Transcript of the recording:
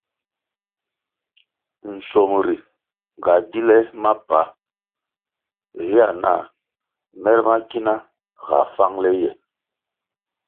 Nschuomri ga di le mapa héa nah mer ma kina ga fáng le ye.